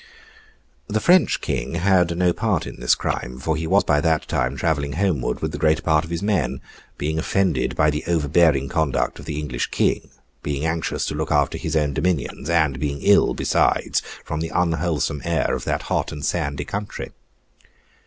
The French King had no part in this crime; for he was by that time travelling homeward with the greater part of his men; being offended by the overbearing conduct of the English King; being anxious to look after his own dominions; and being ill, besides, from the unwholesome air of that hot and sandy country.